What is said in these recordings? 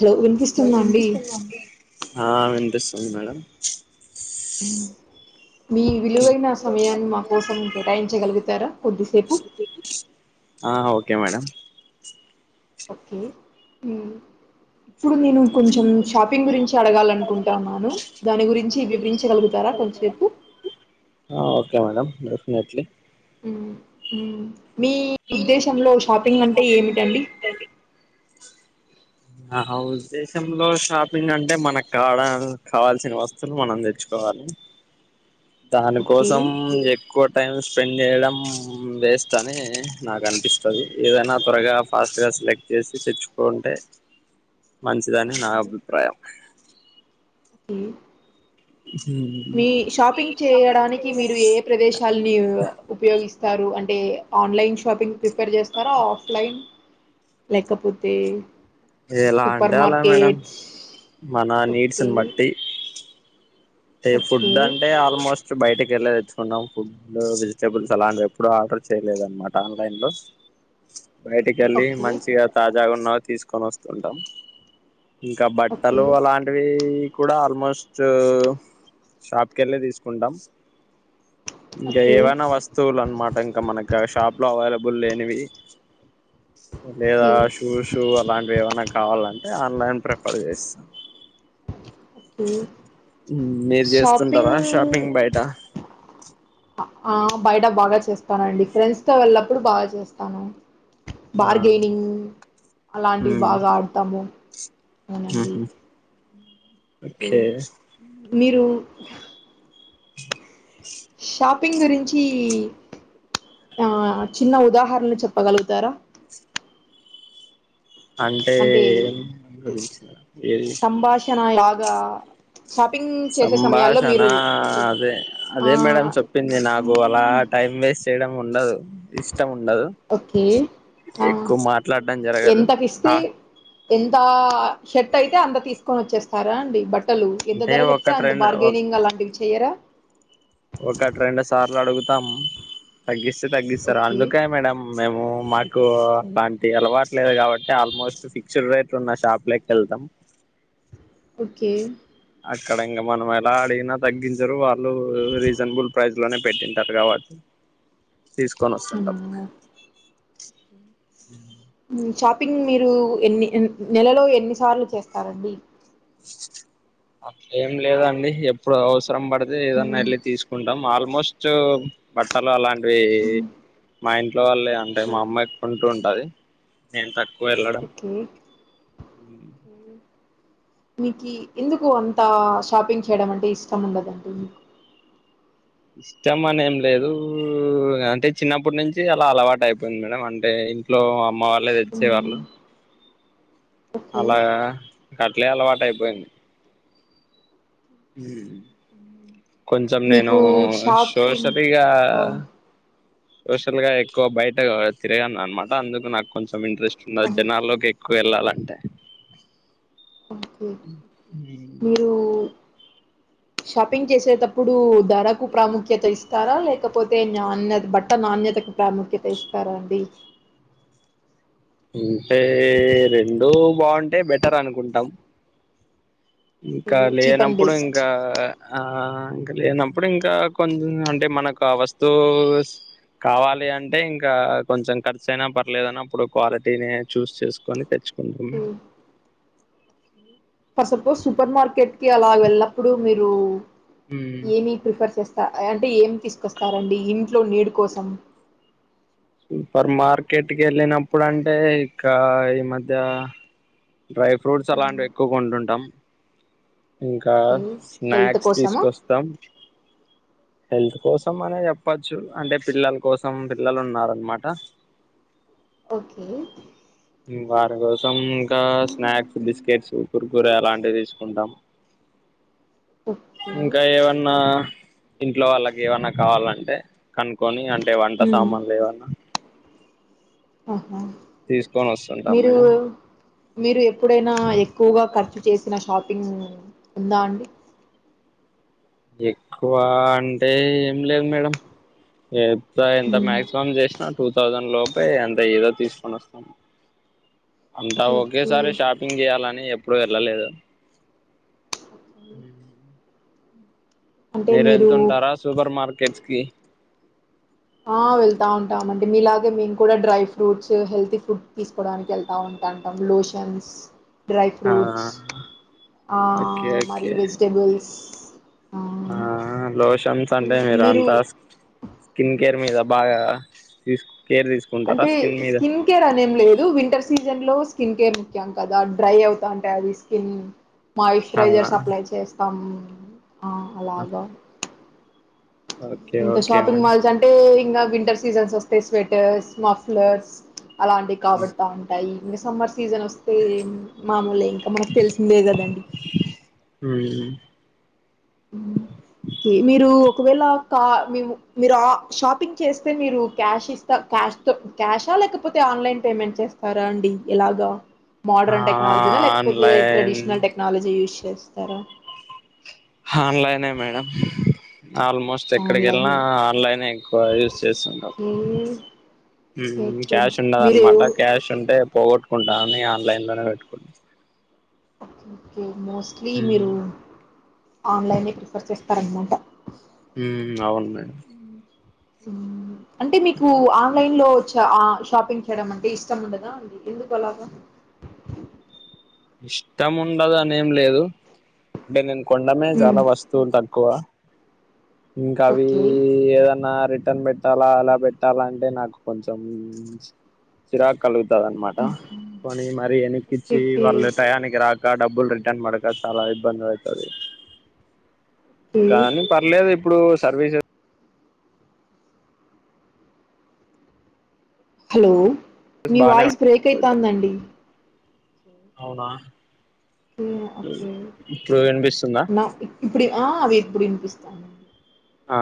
Hello hello వినిపిస్తుందా అండి విన్పిస్తుందా అండి ఆ విన్ పిస్తుంది మేడం మీ విలువైన సమయన్ మా కోసం కేటాయించగల్గుతారా కొద్దిసేపు క్కె మేడం ఒక్కే ఇప్పుడు నెను కొంచెం షాపింగ్ గురించి అడగాలనుకుంటన్నాను దాని గురించి వివ్రించగల్గుతారా కొంచేపు ఓకే మేడం డెఫినెట్లీ మ్మ్. మ్మ్. మీ ఉద్దేశంలో షాపింగ్ అంటే ఏమిటండి నా హ ఉద్దేశంలో షాపింగ్ అంటే మన కాడా కావాల్సిన వస్తువులు మనం తెచ్చుకోవాలి మ్ దాని ఓకే కోసం ఎక్కువ టైమ్ స్పెండ్ చేయడం వేస్ట్ అని నాకు అనిపిస్తది ఏదైనా త్వరగా ఫాస్ట్గా సెలెక్ట్ చేసి తెచ్చుకుంటే మంచిదని నా ఓకే అభిప్రాయం కె మీ షాపింగ్ చేయడానికి మీరు ఏ ఏ ప్రదేశాలని ఉపయోగిస్ స్తారు అంటే ఆన్లైన్ షాపింగ్ ప్రిఫర్ చేస్తారా ఆఫ్లైన్ లేకపోతే ఎలా సుపర్ అంటే అలా మేడం మార్కెట్స్ మన ఓకే నీడ్స్ని బట్టి ఓకే ఫుడ్ అంటే ఆల్మోస్ట్ బయటికి వెళ్ళి తెచ్చుకున్నాం ఫుడ్ వెజిటేబుల్స్ అలాంటివెప్పుడూ ఆర్డర్ చేయలేదు అనమాట ఆన్లైన్ లో బయటికి వెళ్ళి ఓకే మంచిగా తాజా ఉన్నవి తీసుకొని వస్తుంటాం ఇంకా ఓకే బట్టలు అలాంటివి కూడా ఆల్మోస్ట్ షాప్ కెళ్ళే తీసుకుంటాం ఇంకా ఓకే ఏవైనా వస్తువులు అన్నమాట ఇంకా మనకి షాప్ లో అవైల బుల్ లేనివి లేదా ఓకే షూషూ అలాంటివి ఏమన్నా కావాల ఆన్లైన్ ప్రిఫర్ చేస్తాను ఓకే మీరు షాపింగ్ చేస్తుంటారా షాపింగ్ బయట ఆ బయట బాగా చేస్తానండి ఫ్రెండ్స్ తో వెళ్ళప్పుడు బాగా చేస్తాను ఆ బార్గెనింగ్ అలాంటివి బాగా ఆడతాము అవునండి కె ఓకే మీరు షాపింగ్ గురించి ఆ చిన్న ఉదాహరణలు చెప్పగలుగుతారా అంటే గురించి ఏది సంభాషణ లాగా షాపింగ్ చేసే సమయాల్లో సంభాషణ మీరు అదే ఆ అదే మేడమ్ చెప్పింది నాకు అలా టైమ్ వేస్ట్ చేయడం ఉండదు ఇష్ ఇష్టం ఉండదు ఓకే ఆ ఎక్కువ మాట్లాడం జరగదు ఎంతకిస్తే ఎంత షర్ట్ అయితే అంత తీసుకొని వచ్చేస్తారా అండి బట్ ట్టలు ఎంత అంటే ధర చెప్తే ఒకటి అంత రెండు బార్గెనింగ్ అలాంటివి చెయ్యరా ఒకటి రెండు సార్లు అడుగుతాం తగ్గిస్తే తగ్గిస్తారు ఓకే అందుకే మేడం మేము మాకు అలాంటి అలవాటులేదు కాబట్టి ఆల్మోస్ట్ ఫిక్స్డ్ రేట్లు ఉన్న షాప్ లకు వెళ్తాం ఓకే అక్కడ ఇంగ మనం ఎలా అడిగినా తగ్గించరు వాళ్ళు రీజనబుల్ ప్రైస్ లోనే పెట్టింటారు కాబట్టి తీసుకొని వొస్తుంటాం హ్మ్. షాపింగ్ మీరు ఎన్ని నెలలో ఎన్ని సార్లు చేస్తారండి అట్లా ఏం లేదండి ఎప్పుడు అవసరం పడితే ఏదన్నా హ్మ్. వెళ్ళి తీసుకుంటాం వాళ్ ఆల్మోస్ట్ బట్టలు అలాంటివి హ్మ్. మా ఇంట్లో వాళ్ళే అంటే మా అమ్మ యే కొంటూం టది నేను తక్కువ వెళ్ళడం ఓకే మీకి ఎందుకు అంత షాపింగ్ చేయడం అంటే ఇష్టం ఉండదండి మీకు ఇష్టం అనెం లేదు అంటే చిన్నప్పటి నుంచి అలా అలవాటు అయిపోయింది మేడం అంటే ఇంట్లో అమ్మ వాళ్ళే తెచ్చే హ్మ్. వాళ్ళు ఓకే అలా అట్లే అలవాటైపోయింది ఉమ్ కొంచెం నేను మీకు షాపింగ్ షోషలిగా ఆ! సోషల్ గా ఎక్కువ బయట తిరగాను అనమాట అందుకు నాక్ కొంచెం ఇంట్రెస్ట్ ఉంన్నది ఆహా! జనాల్లోకి ఎక్ క్కు వెళ్ళాలంటే ఓకే ఉ మీరూ షాపింగ్ చేసేతప్పుడు ధరకు ప్రాముఖ్యత ఇస్తారా లేకపోతే నాణ్య బట్ట నాణ్య తకు ప్రాముఖ్యత ఇస్తారా అండి అంటే రెండు బాగుంటే బెటర్ అనుకుంటాం ఇంకా చీప్ అండ్ లేనప్పుడు బెస్ట్ ఇంకా ఆ ఇంక లేనప్పుడు ఇంకా కొం అంటే మనకు ఆ వస్తూవ్స్ కావాలి అంటే ఇంకా కొంచెం ఖర్చయినా పర్లేదన్నీ అప్పుడు క్వాలిటీని చూస్ చేసుకొని తె చ్ కుంటాం ఫర్ సపోజ్ సూపర్ మార్కెట్కిి అలా వెళ్ళప్పుడు మీరూ ఏమి ప్రిఫర్ చేస్త ట అంటే ఏం తీసుకొస్తారండి ఇంట్లో నీడ్ కోసం సూపర్ మార్కెట్కి ఏళ్ళినప్పుడు అంటే ఇకా ఈ మధ్య డ్రై ఫ్రూట్స్ అలాంటివి ఎక్కువగొంటుంటాం ఇంకా ఓకే హెల్త్ స్నాక్స్ కోసమా తీసుకొస్తాం హెల్త్ కోసం అనే చేప్పొచ్చు అంటే పిల్లల్ కోసం పిల్లలు ఉన్నారనమాట ఒకే ఉమ్ వారి కోసం ఇంకా స్నాక్స్ బిస్కెట్స్ కురకురె అలాంటివి తీసుకుంటాం ఓకే ఇంకా ఏవన్నా ఇంట్లో వాళ్ళకి ఏవన్నా కావాలంటే కనుక్కొని అంటే వంట మ్మ్ సామాన్లు ఏవన్నా ఆహా తీసుకొని ఓస్తుంటాం మీరు మేడం మీరు ఎప్పుడైనా ఎక్కువగ ఖర్చు చేసిన షాపింగ్ ఉందా అండి ఎక్కువా అంటే ఏం లేద్ మేడం త ఎంత మ్మ్ మాక్సిమం జేష్నా టూ థౌసండ్ లోలే అంతే ఇగ ఏదో తీసుకొని వస్తాం అంతా ఓకే ఓకే ఒకేసారి షాపింగ్ చేయాలని ఎప్పుడు ఎళ్ళలేదు ఉమ్ మీరు ఎళ్తుంటారా సూపర్ మార్కెట్స్ కి ఆహ్ వెళ్తా ఉంటామండి మీలాగే మేము కూడా డ్రై ఫ్రూట్స్ హెల్తీ ఫ్రుడ్స్ తీసుకోవడానికి ఎళ్తా ఉన్ టుంటాం లోషన్స్ డ్రై ఆ ఫ్రూట్స్ ఓకే ఆహ్ మారి వెజిటబుల్స్ ఆహ్ లోషన్స్ అంటే మీరు అంతాస్ స్కిన్ కేర్ మీద బాగా తీస్ అంటే స్కిన్ కేర్ అనేం లేదు వింటర్ సీజన్ లో స్కిన్ కేర్ ముఖ్యం కదా డ్రై అవుతంటే అది స్కిన్ ఆ మాయిశ్చరైజర్ అప్లై చేస్తాము ఆ అలాగా ఓకే ఇంక ఓకే షాపింగ్ మేడం మాల్స్ అంటే ఇంగ వింటర్ సీజన్స్ వస్తాయి స్వెటర్స్ మఫ్లర్స్ అలాంటివి కాబడ్తా ఉంటాయి మిస్మర్స్ సీజన్ వస్తే మామూలే ఇంక మానక్ తెలిసిందే కదండి మ్మ్. ఉమ్ కి మీరు ఒకవేళా కా మేము మీర ఆ షాపింగ్ చేస్తే మీరు క్యాష్ ఇస్తా క్యాష్ తో క్యాషా లేకపోతే ఆన్లైన్ పేమెంట్ చేస్తారా అండి ఎలాగా మోడర్న్ ఆ అండ్ టెక్నాలజీనా లేకపోతే ఆన్లైన్ ట్రెడిషనల్ టెక్నాలజీ యూజ్ చేస్తార ఆన్లైనే మేడమ్ ఆల్మోస్ట్ ఆన్లైన్ ఎక్కడికెళ్ళినా ఆన్లైనే ఎక్కువగా యూస్ చేస్తుంటాం okay okay um okay cash మీరు ఉండదన్మాట క్యాష్ ఉంటే పోగొట్టుకుంటాన్ని ఆన్లైన్లోనే పెట్టుకుంట ఓకే మోస్ట్లీ మీరు ఆన్లైనే ప్రిఫర్ చేస్తారనమాట ఉమ్ అవును మేడమ్ అంటే మీకు ఆన్లైన్లో ఆ షాపింగ్ చేయడమంటే ఇష్టముండదా అ ఎందుకు అలాగా ఇష్టం ఉండదనేం లేదు అంటే నేను కొండమే చాలా వస్తువులు తక్కువ ఇంకా అవీ ఓకే ఏదన్నా రెడ్ ట్టన్ పెట్టాలా అలా పెట్టాలా అంటే నాకు కొంచెం చిరాకు కలుగుత తద్ అనమాట కొనీ మరి ఓకే ఎన్నిక్కిచ్చి ఓకే వాళ్ళ రాక డబ్బుల్ రిటర్న్ పడక చాలా ఇబ్బందవుతది ఓకే కానీ పర్లేదిప్పుడు సర్వీస్ హలో మీ బానే వాయిస్ బ్రేక్ అయితాందండి ఓకే అవునా ఓకే ఇప్పుడు వినిపిస్తుందా నా ఇప్పుడ ఆ అవి ఇప్పుడినిపిస్తాంది ఆ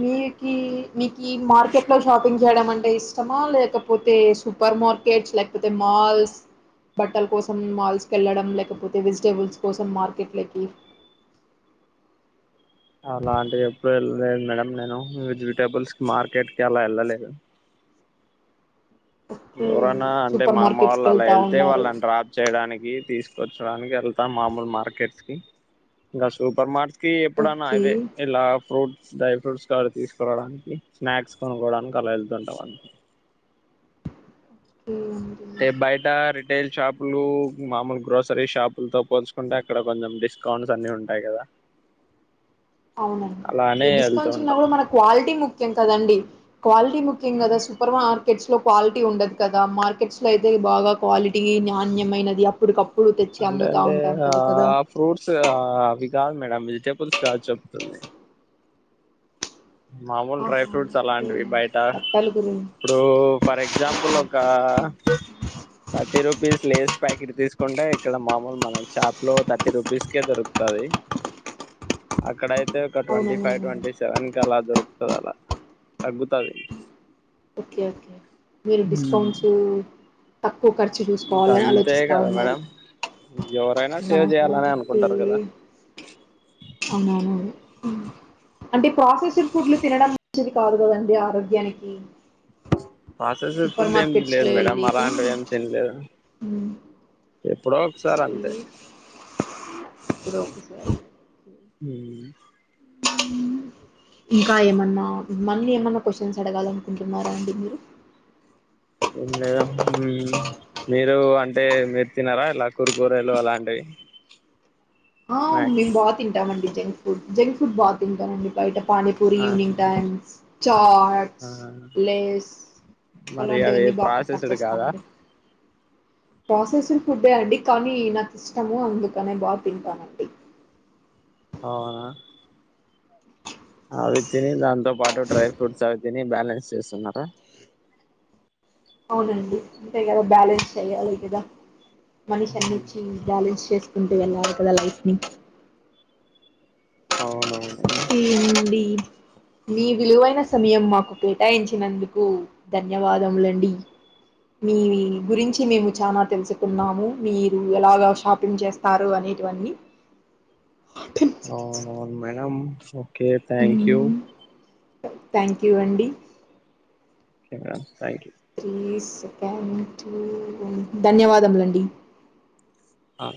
మీకి మీకీ మార్కెట్లో షాపింగ్ చేయడం అంటే ఇష్టమా లేకపోతే సూపర్ మార్కెట్స్ లేకపోతే మాల్స్ బట్టల కోసం మల్ల్కేలడం లేకపోతే వెజిటేబుల్స్ కోసం మార్కెట్లకి అలాంటివి ఎప్పుడూ ఎళ్ళలేదు మేడం నేను వెజిటేబుల్స్ కి మార్కెట్ కి అలా ఎళ్ళలేదు ఓకే ఎవరన్నా అంటే సూపర్ మా అమ్మ మార్కెట్స్ వాళ్ళు కి అలా వెళ్తా వెళ్తే ఉన్నారు వాళ్ళని డ్రాప్ చేయడానికి కి తీసుకొచ్చడానికి వెళ్తాం మామూలు మార్కెట్కి ఇంకా సూపర్ మార్క్ కీ ఎప్పుడనా ఓకే అవే ఇలా ఫ్రూట్కి డ్రై ఫ్రూట్స్ కవి తీసుకోరావడానికి స్నాక్స్ కొనుక్కోవడానికి అలా వెళ్తుంటామండి ఓకే అండి. అంటే బయట రిటైల్ షాపులు మామూలు గ్రోసరీ షాపులతో పోల్చుకుంటే అక్కడ కొంచెం డిస్కౌంట్స్ అన్ని ఉంటాయి కదా అలానే అవునండి వెళ్తూ డిస్కౌంట్స్ ఉన్నా ఉంటాం కూడా మనకి క్వాలిటీ ముఖ్యం కదండి క్వాలిటీ ముఖ్యం కద సూపర్ మార్ మార్కెట్స్లో క్వాలిటీ ఉండదు కదా మార్కెట్స్లో అయితే బాగా క్వాలిటీ నాణ్యమైనది అప్పుడుకప్పు అంటంటే ఆ ఫ్రూట్స్ అవి కాదు మేడం వెజిటేబుల్స్ కాదు చెప్తుంది మామూల్ డ్రై ఆహా ఫ్రూట్స్ ఓకే అలాంటివి బయటా బట్టల గురించి ఇప్పుడూ ఫర్ ఎగ్జాంపుల్ ఒకా థర్టీ రూపీస్ లేస్ ప్యాకెట్ తీసుకుంటే ఇక్కడ మామూలు మన షాప్ లో థర్టీ రూపీస్కే దొరుకుతా తది అక్కడయితే ఒక ట్వంటీ ఫైవ్ అవునవునవును ట్వంటీ సెవెన్కి అలా దొరుకుతదలా తగ్గుతాది ఓకే ఓకే మీరు డిస్కౌంట్స్ త తక్కువ ఖర్చు ఇంక చూసుకోవాలని అంతే ఆలోచిస్తా కదా ఉన్నారు మేడం ఎవరైనా సేవ్ ఆహా చేయ్యాలనే ఓకే అనుకుంటారు కదా అవునవునవును అంటే ప్రాసెస్డ్ ఫుడ్లు తినడం మంచిది కాదు కదండి ఆరోగ్యానికి ప్రాసెస్డ్ సూపర్ ఫుడ్ మార్కెట్స్ ఏమిలేదు లో మేడం వెళ్ళిక అలాంటివేం తినలేదు ఉమ్ ఎప్పుడో ఒకసారంతే ఇప్పుడు ఒకసారి ఉమ్ ఉమ్ ఇంకా ఏమన్నా మల్లీ ఏమన్నా క్వశ్చన్స్ అడగాలనుకుంటున్నారా అండి మీరు మీ మీరు అంటే మీరు తినరా ఇలా కూర కూరలు అలాంటివి ఆ స్నాక్స్ మేము బాగా తింటామండి జంక్ ఫుడ్ జంక్ ఫుడ్ బాగా తింటామండి బయట పానీపూరి ఆ ఈవినింగ్ టైమ్స్ చాట్స్ ఆ లేస్ మరి అవి అలాంటివన్నీ బా ప్రాసెస్డ్ కాదా పట్టిస్తామండి ప్రాసెస్డ్ ఫుడ్డే అండి కానీ నాకిష్టము అందుకనే బాగా తింటానండి అవునా అవి తిని దాంతో పాటు డ్రై ఫ్రూట్స్ అవి తిని బ్యాలెన్స్ చేస్తున్నారా అవునండి అంతే కదా బ్యాలెన్స్ చేయ్యాలి కదా మనిషి అన్నిటికీ బ్యాలెన్స్ చేసుకుంటూ వెళ్ళాలి కదా లైఫ్ ని అవునవును తిండి మీ విలువైన సమయం మాకు కేటాయించినందుకు ధన్యవాదములండి మీ గురించి మేము చానా తెలుసుకున్నాము మీరు ఎలాగా షాపింగ్ చేస్తారు అని ఇవన్నీ అవునవును మేడం ఓకే థ్యాంక్యు థాంక్యూ అండి ఒకే మేడం థాంక్కు త్రి సెకం టు ధన్యవాదములండి ఆ